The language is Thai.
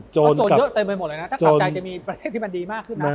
เพราะโซนเยอะเต็มไปหมดเลยนะถ้ากลับใจจะมีประเทศที่มันดีมากขึ้นนะ